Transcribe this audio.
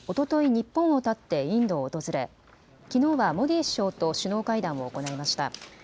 日本をたって、インドを訪れきのうはモディ首相と首脳会談を行いました。